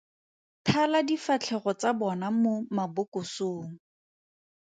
Thala difatlhego tsa bona mo mabokosong.